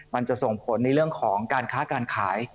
มันจะส่งผลในเรื่องของการค้าการขาย